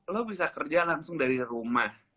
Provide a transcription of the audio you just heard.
lo bisa kerja langsung dari rumah